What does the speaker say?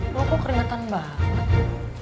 lo kok keringetan banget